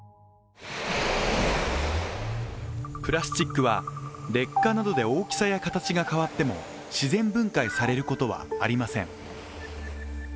プラスチックは劣化などで大きさや形が変わっても自然分解されることはありません。